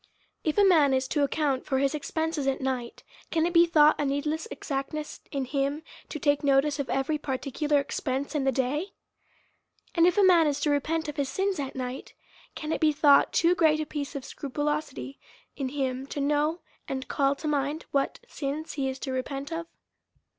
If a man is to account for his expenses at night, can it be thought a needless exactness in him, to take notice of every particular expense in the day ? And if a man is to repent of his sins at night, can it be thought too great a piece of scrupulosity in him, to know and not call to mind what sins he is to repent of?